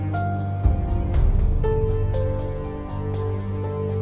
โปรดติดตามต่อไป